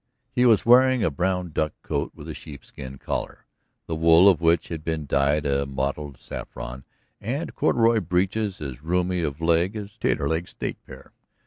He was wearing a brown duck coat with a sheepskin collar, the wool of which had been dyed a mottled saffron, and corduroy breeches as roomy of leg as Taterleg's state pair.